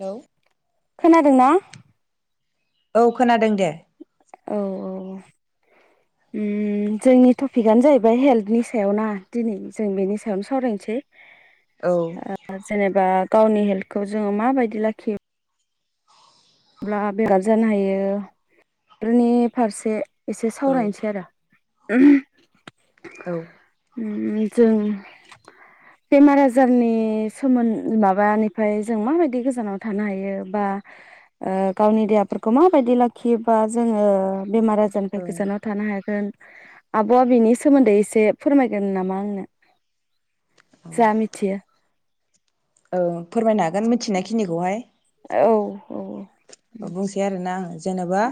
Hello खोनादोंना? औ खोनादों दे। औ औ ओम जोंनि टपिकआनो जाहैबाय हेल्थनि सायाव ना दिनै जों बेनि सायावनो सावरायनोसै। औ ओ जेनेबा गावनि हेल्थखौ जोङो माबायदि लाखियो अब्ला बे गाब जानो हायो बेफोरनि फारसे एसे औ सावरायनोसै आरो। [unintelligible] औ जों बेमार आजारनि सोमोन माबानिफ्राय जों माबायदि गोजानाव थानो हायो बा ओ गावनि देहाफोरखौ माबायदि लाखियोबा जोङो बेमार आजारनिफ्राय गोजानाव थानो हागोन। आब आ बेनि सोमोन्दै एसे फोरमायगोन नामा आंनो? जा मिथियो औ फोरमायनो हागोन मिथिनाय खिनिखौहाय। औ औ उम बुंसै आरोना जेनेबा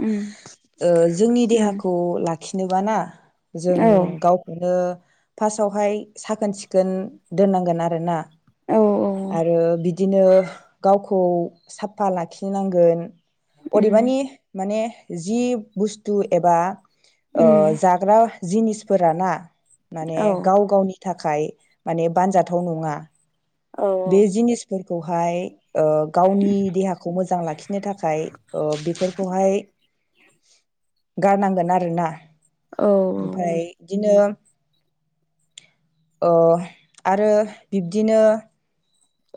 ओ जोंनि उम देहाखौ लाख खिनोबा ना? जों औ गावखौनो फार्स्टआवहाय साखोन सिखोन दोननांगोन आरोना औ आरो बिदि बिदिनो गावखौ साफा लाखिनांगोन उम अदेबानि माने जि बुस्तु एबा ओ उम जाग्रा जिनिसफोरा ना माने औ गाव गावनि थाखाय माने बानजाथाव नङा। औ बे जिनिसफोर खौहाय। ओ गावनि देहाखौ मोजां लाखिनो थाखाय ओ बेफोरखौहाय गारनांगोन आरोना। औ ओमफ्राय बिदिनो। ओ आरो बिब्दिनो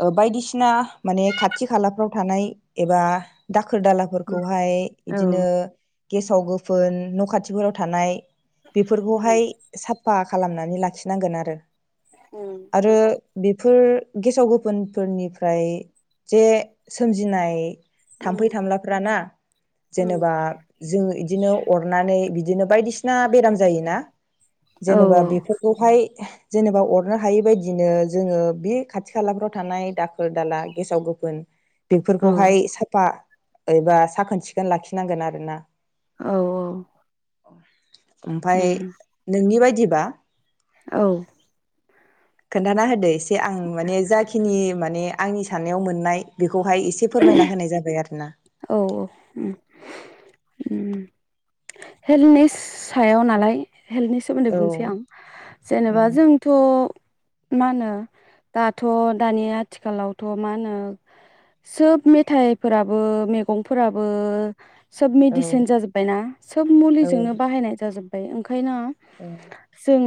ओ बायदिसिना माने खाथि खालाफ्राव थानाय एबा दा दाखोर दालाफोरखौहाय औ इदिनो गेसाव गोफोन न' खाथिफोराव थानाय। उम बेफोरखौहाय साफा खालामनानै लाखिनांगोन आरो। आरो नंगौ बेफोर गेसाव गो बोन फोरनिफ्राय जे सोमजिनाय थाम्फै उम थामलाफ्राना उम जेनेबा जो इदिनो अरनानै बिदि बिदिनो बायदि सिना बेराम जायोना औ जेनेबा बेफोरखौहाय जेनेबा अरनो हायि बायदिनो जोङो बे खाथि खालाफ्राव थानाय दाखोर, दाला, गेसाव, गोफोन औ बेफोरखौहाय साफा एबा साखोन सिखोन लाखिनांगोन आरोना। औ औ। [inaudible] ओमफ्राय उम नोंनि बायदि बा औ। खोन्थाना होदो एसे आं माने जाखिनि माने आंनि साननायाव मोननाय बेखौ बेखौहाय एसे फोरमायना होनाय जाबाय आरोना। औ औ उम उम हेल्थनि सायाव नालाय हेल्थनि सोमोन्दै औ बुंसै आं जेनेबा औ जोंथ मा होनो दाथ' दानि आथिखालावथ' मा होनो सोब मेथाइफोरा बो मैगंफोराबो सोब मेडिसिन जाजोबबायना सोब औ मुलिजोंनो बाहायनाय जाजोब [inaudible] ओंखायनो जों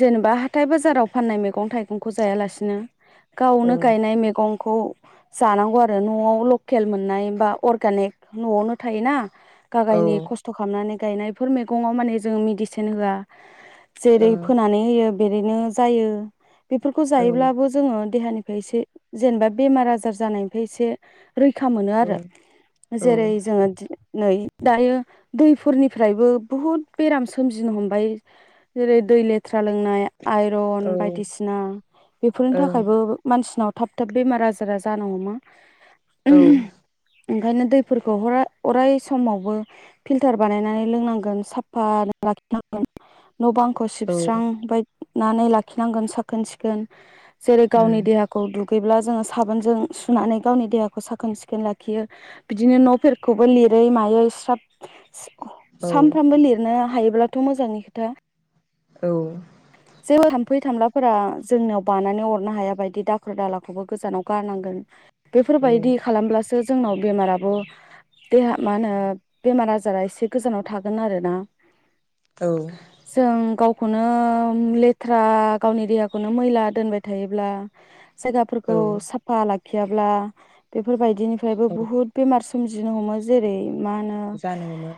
जेनेबा हाथाय बाजाराव फाननाय मैगं थाइगंखौ जायालासिनो औ गावनो गायनाय मैगं खौ जानांगौ आरो न'आव ल केल मोननाय बा अरगानेक न'आवनो थायोना। औ गागायनि ओं खस्थ खालामनानै गायनायफोर मेगंआव माने जों मिडिसिन होआ। औ जेरै फोनानै होयो बेरैनो जायो। बेफोरखौ जायोब्लाबो जोङो देहानिफ्राय एसे जेनेबा बेमार आजार जानायनिफ्राय एसे रैखा मोनो आरो औ जेरै जोङो दिनै नै दायो दैफोरनिफ्रायबो बुहुद बेराम सोमजिनो हमबाय जेरै दै लेथ्रा लोंनाय आइरन बायदिसिना बेफोरनि ओं थाखायबो मानसिनाव थाब थाब बेमार आजारा जानो हमा। औ। ओंखायनो दैफोरखौ हरा अराय समावबो फिल्टार बानायनानै लोंनांगोन साफा लाखिनांगोन। न' बांखौ औ सिबस्रां बाय नानै लाखिनांगोन साखोन सिखोन जेरै उम गावनि देहाखौ दु गैब्ला जोङो साबोनजों सुनानै गावनि देहाखौ खो साखोन सिखोन लाखियो बिदिनो न'फोरखौबो लिरै मायै स्राब औ सानफ्रामबो लिरनो हायोब्ला थ मोजांनि खोथा। जेबो हाम फै थामलाफोरा जोंनाव बानानै अरनो हाया बायदि दाखोर दालाखौबो गोजानाव गारनांगोन। औ फोरबायदि खालामब्लासो जोंनाव बेमाराबो देहा मा होनो बेमार आजारा एसे गोजानाव थागोन आरोना। औ जों गाव खौनो लेथ्रा गावनि देहाखौनो मैला दोनबाय थायोब्ला औ जायगाफोरखौ साफा ला खियाब्ला बेफोरबायदि बिदिनिफ्रायबो औ बहुत बेमार सोमजिनो हमो जेरै माहोनो जानो हमो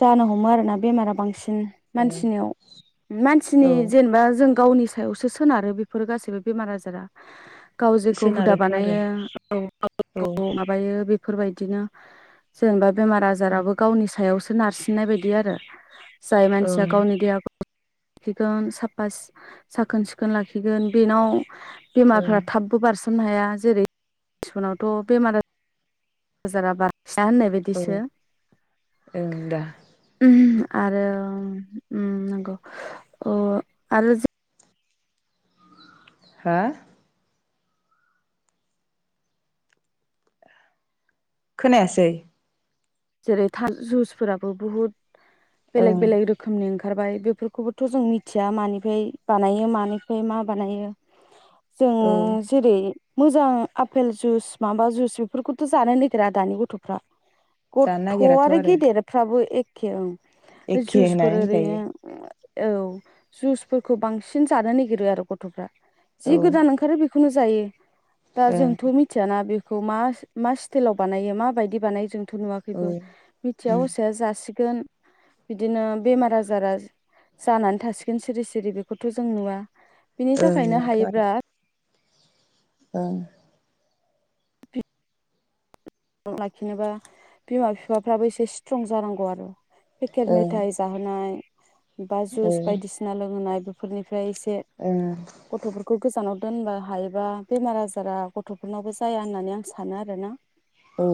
जानो हमो आरो ना बेमारा बांसिन मानसिनियाव मानसिनि औ जेनबा जों गावनि सायावसो सोनारो बेफोर गासैबो बेमार आजारा गाव जेखौ हुदा सोनारोथ' आरो बानायो औ औ ग माबायो बे फोरबायदिनो [unintelligible] बेमार ओं आजाराबो गावनि सायाव सो नारसिननाय बायदि आरो जाय मानसिया ओं गावनि देहाखौ खिगोन साफा साखोन सिखोन लाखिगोन बेनाव बेमारफ्रा ओं थाबबो बारसो मनो हाया जेरै मानसिनावथ बेमार आ आजार बा सा होननाय बायदिसो ओं दा आरो ओम नंगौ अ आरो हा खोनायासै जेरै थाब जुइसफोराबो बुहुत बेलेग ओं बेलेग रोखोमनि ओं ओंखारबाय बेफोरखौबोथ जों मिथिया मानिफ्राय बानायो मानिफ्राय मा बानायो जों औ जेरै मोजां आपेल जुस माबा जुस बेफोरखौथ जानो नागिरा दानि गथफ्रा जानो गथ नागिराथ' आरो गेदेरफ्राबो ए खे ओं एखे जुसफोर होननानै ओरैनो होनजायो औ जुइसफोरखौ बांसिन जानो नागिरो आरो गथफ्रा। जि औ गोदान ओंखारो बेख बेखौनो जायो दा ओं जोंथ मिथियाना बे मा सिटेलाव बानायो मा बायदि बानायो जों थ औ नुवाखैबो मिथिया उम हसिया जासि गोन बिदिनो बेमार आजारा जानानै थासिगोन सिरि सिरि बेखौथ जों नुवा। बिनि ओं थाखायनो हायोब्ला औ लाखिनोबा बिमा बिफाफ्राबो एसे स्ट्रं जानांगौ आरो पेकेट ओं मेथाइ जाहोनाय। बा जुस ओं बायदिसिना लोंहोनाय बेफोरनि ओमफ्राय एसे ओं गथफोरखौ गोजानाव दोनबा हायोबा बेमार आजारा गथफोरनावबो जाया होननानै आं सानो आरोना औ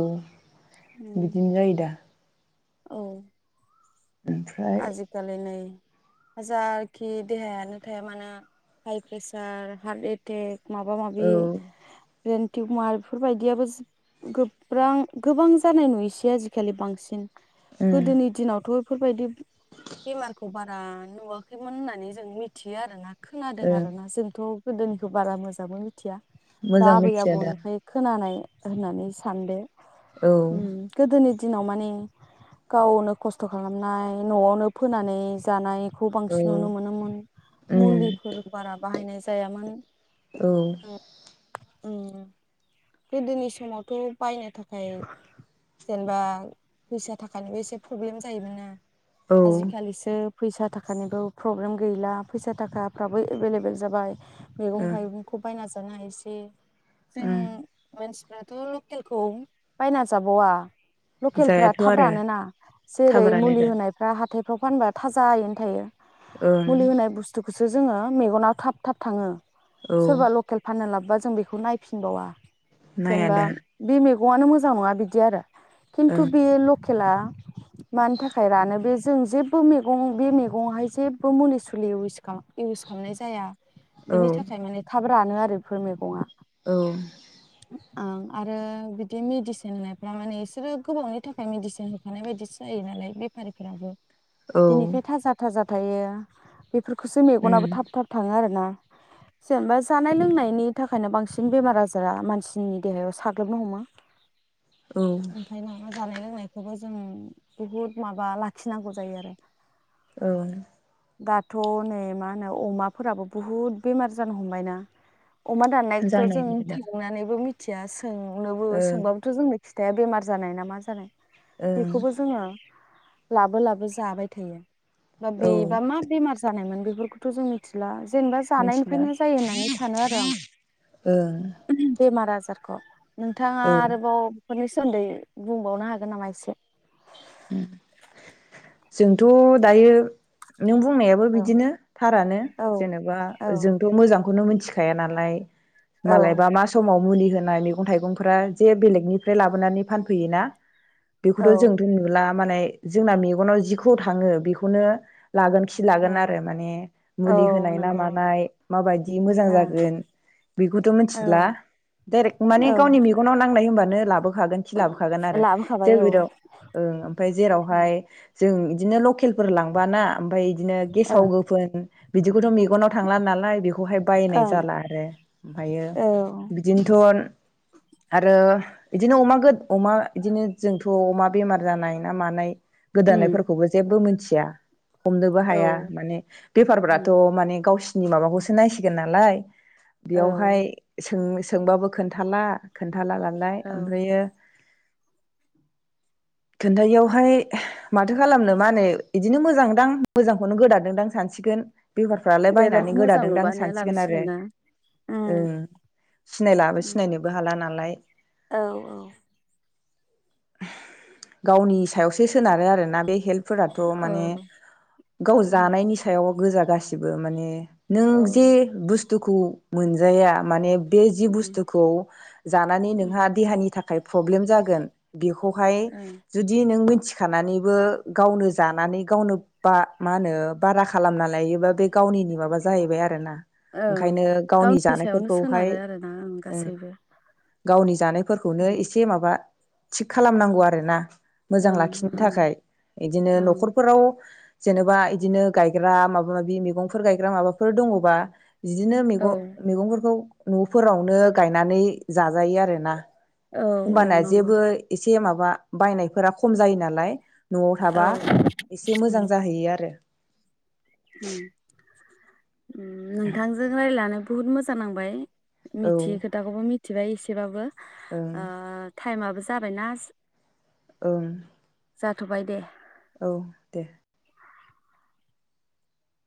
बिदिनो जायो दा औ ओमफ्राय आजि खालि नै हाजारखि देहायानो थाया मानो हाइ प्रेसार हार्ट एटेक माबा माबि। औ ब्रेन्ट टिइमार बेफोरबायदियाबो गोब्रां गोबां जानाय नुयोसै आजिखालि बांसिन। उम गोदोनि दिनावथ फोरबायदि। बेमारखौ बारा नुवाखैमोन होननानै जों मिथियो आर ना खोनादों ओं आरोना जोंथ। गोदोनिखौ बारा मोजाबो मिथिया। बा मोजां आबै मिथिया दा आबौनिफ्राय खोनानाय होननानै सानदो। औ उम गोदोनि दिनाव माने गावनो खस्थ खालामनाय नआवनो फोनानै जानाय खौ बांसिन नुनो मोनोमोन उम मुलिफोर बारा बाहायनाय जायामोन औ ओम। गोदोनि समावथ बायनो थाखाय जेनेबा फैसा थाखानिबो एसे प्रब्लेम जायोमोन ना औ आजिखालिसो फैसा थाखानिबो प्रब्लेम गैला फैसा थाखाफ्राबो एभेलेबेल जाबाय। मैगं थाइगंखौ बायनासो जानो हायोसै जों ओं मानसिफ्राथ लकेलखौ बायना जाबावा। लकेलफ्रा जायाथ' थाब आरो रानोना थाब जेरै रानो मुलि दा होनायफ्रा हाब हाथाइफ्राव फानबा थाजायैनो थायो। ओं मुलि होनाय बुस्थु खोसो जोङो मेगना थाब थाब थाङो। औ सोरबा लकेल फाननो लाब्बा जों बेखौ नायफिनबावा। नाया जेनबा दा बि मे मेगंआनो मोजां नङा बिदि आरो। खिन्थु ओं बेय लख खेला मानि थाखाय रानो बे जों जेबो मैगं बे मैगंआवहाय जेबो मुलि सुलि इउस इउस खालामनाय जाया। औ बिनि थाखाय माने खाब रानो आरो एफोर मैगङा। औ ओं आरो बिदि मेडिसिन होनायफ्रा माने इसोरो गोबावनि थाखाय मेडिसिन होखानाय बायदिसो जायो नालाय बेफारिफोराबो। औ बिनिखाय थाजा थाजाब थायो। बेफोरखौसो उम मेगनाबो थाब थाब थाङो आरोना। जेनेबा जानाय लोंनायनि थाखायनो बांसिन बेमारा जा फोरा मानसिनि देहायाव साग्लोबनो हमो। औ ओंखाय नोङो जानाय लोंनाय बेहाय जों बुहुद माबा लाखिनांगौ जायो आरो। ओं दाथ' नै मा होनो अमाफोराबो बहुद बेमार जानो हमबायना। अमा दाननाय खोथ' जानाय जों नंला दा नानैबो मिथिया सोंनोबो ओं सोंबाबोथ' जोंनो फिथाइया बेमार जानाय ना मा जानाय। ओं बेखौबो जोङो लाबो लाबो जाबाय थायो। बा औ बेबा मा बेमार जानायमोन। बेफोरखौथ जों मिथिला। जेनेबा मिथिला जानायनिफ्रायनो जायो होननानै सानो आरो आं। ओं बेमारा सारख' नोंथाङा औ आरोबाव बेफोरनि सोमोन्दै बुंबावनो हागोन नामा एसे उम जोंथ' दायो नों बुंनायाबो औ बिदिनो थारानो औ जेनेबा औ जोंथ मोजांखौनो मोनथि थिखाया नालाय। औ मालायबा मा समाव मुलि होनाय मैगं थाइगंफोरा जे बेलेगनिफ्राय लाबोनानै फानफैयोना औ बेखौथ' जोंथ' नुला माने जोंना मेगनाव जिखौ थाङो बेखौनो लागोन खि औ लागोन आरो माने औ मुलि होनाय ना नंगौ मानाय माबायदि मोजां ओं जागोन बेखौथ औ मिथिला डाइरेक माने औ गावनि मेगनाव नांनाय होमबा नो लाबोखागोन खिलाबोखागोन आरो लाबोखाबाय औ जोंबिदाव ओं ओमफाय जेरावहाय जों इदिनो लकेलफोर लांबाना ओमफ्राय दिनो गेसाव ओं गोफोन बिदिखौथ' मेगनाव थांला नालाय बेखौहाय बायनाय ओं जाला आरो ओमफायो औ बिदिनोथन आरो इदिनो अमा गो अमा इदिनो जोंथ अमा बेमार जानाय ना मानाय उम गोदानायफोरखौबो जेबबो मोन [unintelligible] हमनोबो हाया औ माने उम बेफारफ्राथ' माने गावस नि माबाखौसो नायसिगोन नालाय औ बेयावहाय सों सोंबाबो खोन्थाला खोन [unintelligible] लालाय औ ओमफ्रायो खोन्थायियावहाय माथो खालामनो मा होनो इदिनो मोजांदां मोजांखौनो गोदादोंदां सानसिगोन। बेफारफ्रालाय बायनानै बेदरखौ मोजां गोदादोंदां नुबानो सानसिगोन लाबोसिगोन आरो ना उम ओं सिनायलाबो उम सिनायनोबो हाला ना लाय। औ औ गावनि सायावसो सोनारो आरोना बे हेल्तफोराथ माने औ गाव उम जानायनि सायाव गोजा गासि बेबो माने नों जे बुस दुखु मोनजाया माने बे जि बुस्थुखौ जानानै नोंहा ओं ओं देहानि थाखाय प्रब्लेम जागोन। बेखौहाय जुदि नों मिथिखानानैबो गावनो जानानै गावनो बा मा होनो बारा खालामना लायोबा बे गावनिनि माबा जाहैबाय आरोना। ओं ओंखायनो गावनि सायावनो जानायफोरखौहाय सोनारो आरोना उम ओं गासैबो गावनि जानाय फोरखौनो उम इसे माबा थिख खालामनांगौ आरो ना मोजां ओं लाखिनो ओं थाखाय इदिनो ओं न'खरफोराव जेनेबा इदिनो गायग्रा माबा माबि मैगंफोर गायग्रा माबाफोर दंङबा बिदिनो मैग औ मैगंफोरखौ न'फोरावनो गायनानै जाजायो आरोना। औ औ होमबाना नंगौ जेबो एसे ए माबा बायनाय फोरा खम जायो नालाय न'आव औ थाबा इसे मोजां जाहैयो आरो। उम्म उम्म नोंथांजों रायलायनानै बुहुत मोजां नांबाय औ मिथियै खोथाखौबो मि थिबाय इसेबाबो ओं ओ टाइमआबो जाबायनास ओं जाथबाय दे औ दे